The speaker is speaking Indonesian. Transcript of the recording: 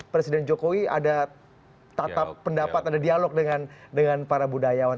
presiden jokowi ada tatap pendapat ada dialog dengan para budayawan